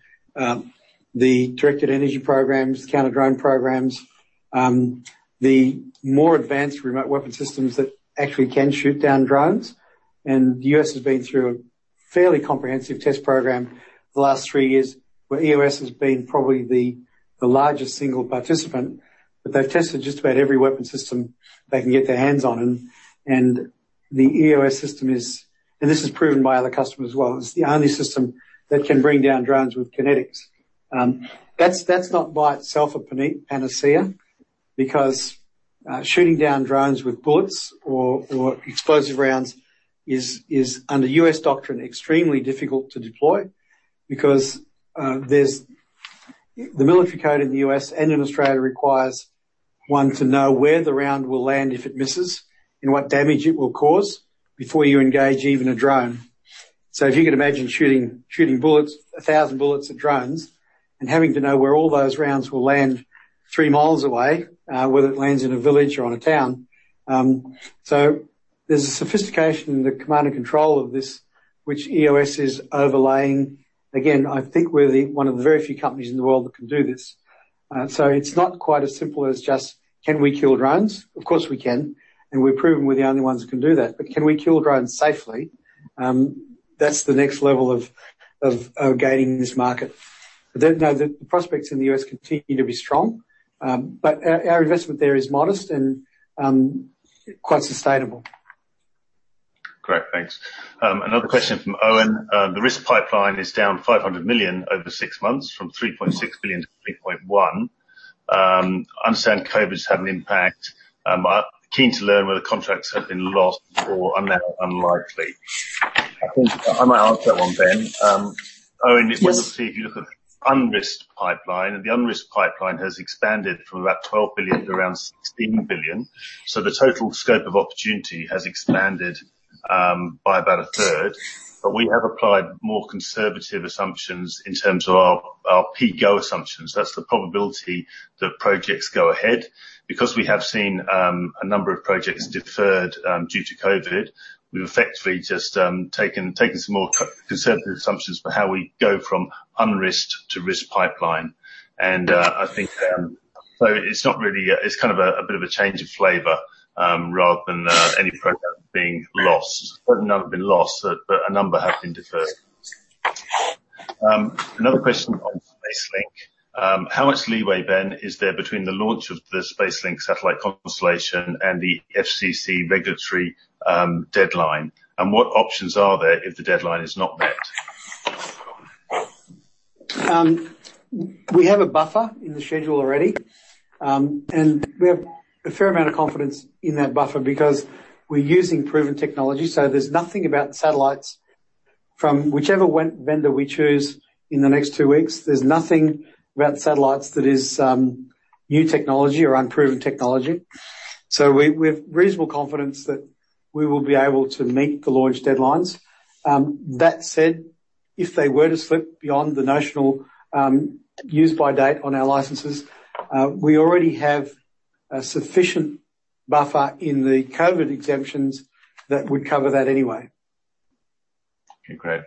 the directed energy programs, the counter-drone programs, the more advanced remote weapon systems that actually can shoot down drones. The U.S. has been through a fairly comprehensive test program the last three years, where EOS has been probably the largest single participant, but they've tested just about every weapon system they can get their hands on. This is proven by other customers as well. It's the only system that can bring down drones with kinetics. That's not by itself a panacea because shooting down drones with bullets or explosive rounds is, under U.S. doctrine, extremely difficult to deploy because the military code in the U.S. and in Australia requires one to know where the round will land if it misses and what damage it will cause before you engage even a drone. If you could imagine shooting bullets, 1,000 bullets at drones, and having to know where all those rounds will land three miles away, whether it lands in a village or in a town. There's a sophistication in the command and control of this, which EOS is overlaying. Again, I think we're one of the very few companies in the world that can do this. It's not quite as simple as just, can we kill drones? Of course, we can, and we've proven we're the only ones that can do that. Can we kill drones safely? That's the next level of gaining this market. The prospects in the U.S. continue to be strong, but our investment there is modest and quite sustainable. Great. Thanks. Another question from Owen. The risk pipeline is down 500 million over six months from 3.6 billion to 3.1 billion. I understand COVID's had an impact. I'm keen to learn whether contracts have been lost or are now unlikely. I think I might answer that one, Ben. Owen. Yes. If you look at the unrisked pipeline, the unrisked pipeline has expanded from about 12 billion to around 16 billion. The total scope of opportunity has expanded by about a third. We have applied more conservative assumptions in terms of our PGO assumptions. That's the probability that projects go ahead. We have seen a number of projects deferred due to COVID-19, we've effectively just taken some more conservative assumptions for how we go from unrisked to risked pipeline. I think, it's kind of a bit of a change of flavor rather than any program being lost. None have been lost, but a number have been deferred. Another question on SpaceLink. How much leeway, Ben, is there between the launch of the SpaceLink satellite constellation and the FCC regulatory deadline? What options are there if the deadline is not met? We have a buffer in the schedule already. We have a fair amount of confidence in that buffer because we're using proven technology, so there's nothing about the satellites from whichever vendor we choose in the next two weeks. There's nothing about the satellites that is new technology or unproven technology. We have reasonable confidence that we will be able to meet the launch deadlines. That said, if they were to slip beyond the notional use-by date on our licenses, we already have a sufficient buffer in the COVID exemptions that would cover that anyway. Okay, great.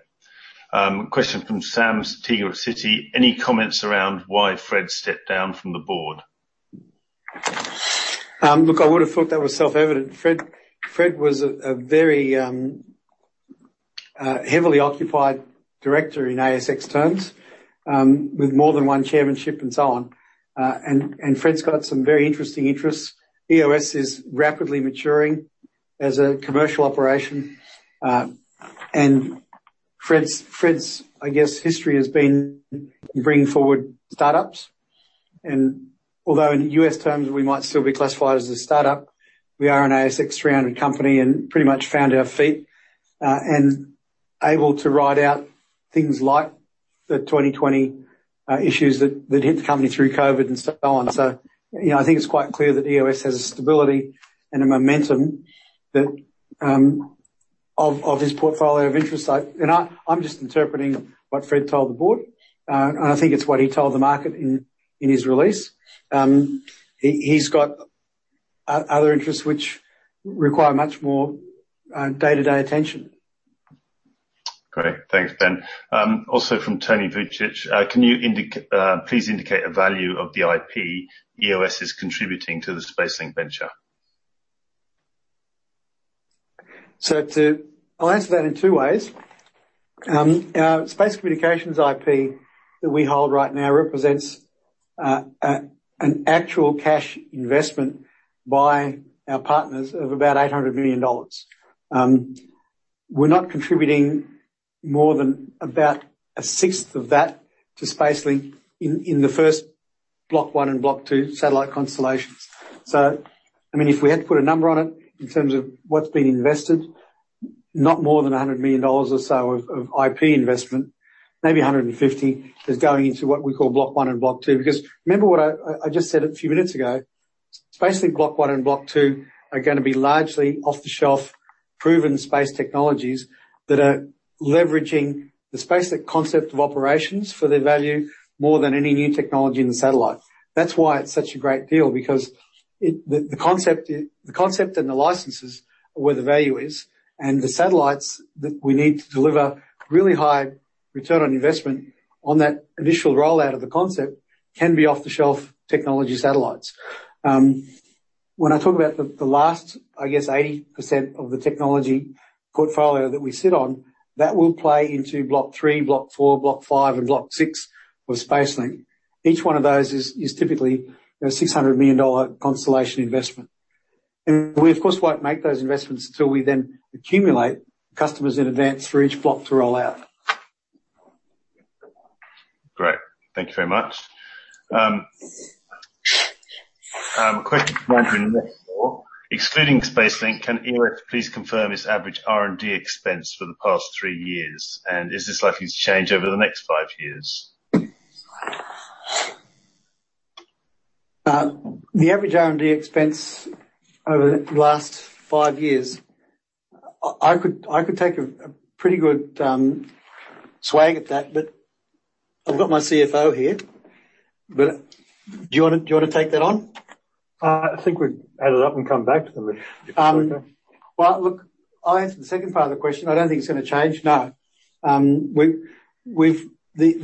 Question from Sam Teeger of Citi. Any comments around why Fred stepped down from the board? I would've thought that was self-evident. Fred was a very heavily occupied director in ASX terms, with more than one chairmanship and so on. Fred's got some very interesting interests. EOS is rapidly maturing as a commercial operation. Fred's, I guess, history has been in bringing forward startups. Although in U.S. terms we might still be classified as a startup, we are an ASX 300 company and pretty much found our feet, and able to ride out things like the 2020 issues that hit the company through COVID and so on. I think it's quite clear that EOS has a stability and a momentum of his portfolio of interests. I'm just interpreting what Fred told the board, and I think it's what he told the market in his release. He's got other interests which require much more day-to-day attention. Great. Thanks, Ben Greene. Also from Tony Vucic, "Can you please indicate a value of the IP EOS is contributing to the SpaceLink venture? I'll answer that in two ways. Our space communications IP that we hold right now represents an actual cash investment by our partners of about 800 million dollars. We're not contributing more than about a sixth of that to SpaceLink in the first block 1 and block 2 satellite constellations. If we had to put a number on it in terms of what's been invested, not more than 100 million dollars or so of IP investment, maybe 150 million, is going into what we call block 1 and block 2. Because remember what I just said a few minutes ago, basically block 1 and block 2 are gonna be largely off-the-shelf proven space technologies that are leveraging the SpaceLink concept of operations for their value more than any new technology in the satellite. That's why it's such a great deal, because the concept and the licenses are where the value is, and the satellites that we need to deliver really high return on investment on that initial rollout of the concept can be off-the-shelf technology satellites. When I talk about the last, I guess, 80% of the technology portfolio that we sit on, that will play into block 3, block 4, block 5, and block 6 of SpaceLink. Each one of those is typically an 600 million dollar constellation investment. We, of course, won't make those investments until we then accumulate customers in advance for each block to roll out. Great. Thank you very much. A question from Andrew McLaw, "Excluding SpaceLink, can EOS please confirm its average R&D expense for the past three years? Is this likely to change over the next five years?" The average R&D expense over the last five years, I could take a pretty good swag at that, but I've got my CFO here. Do you want to take that on? I think we'd add it up and come back to them if it's okay. Look, I'll answer the second part of the question. I don't think it's gonna change, no. The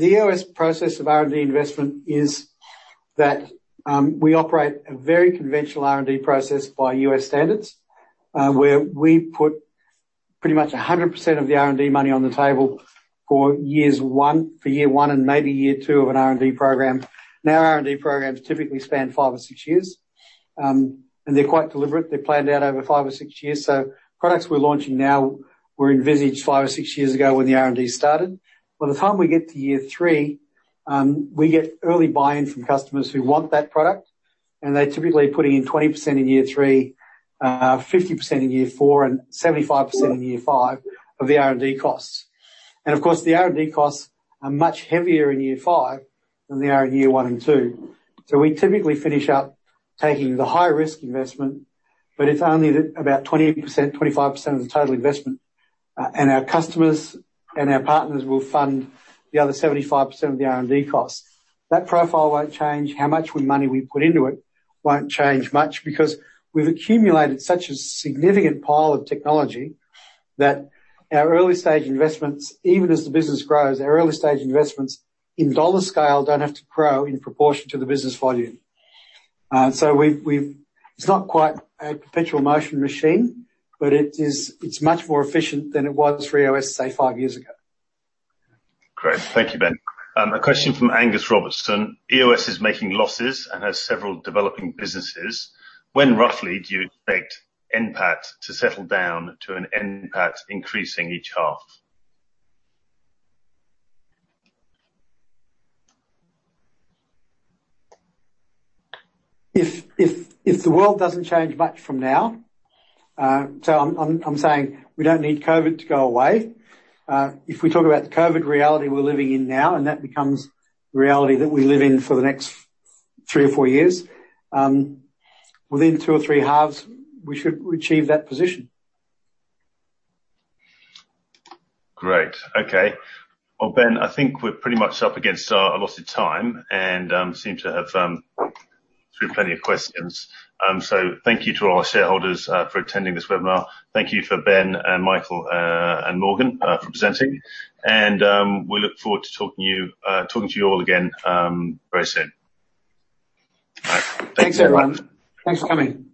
EOS process of R&D investment is that we operate a very conventional R&D process by U.S. standards, where we put pretty much 100% of the R&D money on the table for year one and maybe year two of an R&D program. Our R&D programs typically span five or six years. They're quite deliberate. They're planned out over five or six years. Products we're launching now were envisaged five or six years ago when the R&D started. By the time we get to year three, we get early buy-in from customers who want that product, and they're typically putting in 20% in year 3, 50% in year 4, and 75% in year 5 of the R&D costs. Of course, the R&D costs are much heavier in year five than they are in year one and two. We typically finish up taking the high risk investment, but it's only about 20%, 25% of the total investment. Our customers and our partners will fund the other 75% of the R&D costs. That profile won't change. How much money we put into it won't change much, because we've accumulated such a significant pile of technology that our early stage investments, even as the business grows, our early stage investments in dollar scale don't have to grow in proportion to the business volume. It's not quite a perpetual motion machine, but it's much more efficient than it was for EOS, say, five years ago. Great. Thank you, Ben. A question from Angus Robertson. "EOS is making losses and has several developing businesses. When roughly do you expect NPAT to settle down to an NPAT increasing each half?" If the world doesn't change much from now, I'm saying we don't need COVID to go away. If we talk about the COVID reality we're living in now, and that becomes the reality that we live in for the next three or four years, within two or three halves, we should achieve that position. Great. Okay. Well, Ben, I think we're pretty much up against our allotted time, and seem to have through plenty of questions. Thank you to all our shareholders for attending this webinar. Thank you for Ben and Michael, and Morgan, for presenting. We look forward to talking to you all again very soon. Thanks, everyone. Thanks for coming.